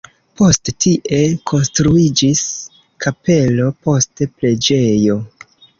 Poste tie konstruiĝis kapelo, poste preĝejo.